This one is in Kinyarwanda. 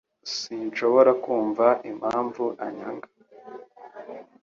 S Sinshobora kumva impamvu anyanga.